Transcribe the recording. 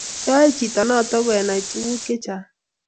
yoe chito noto konay tuguk chechang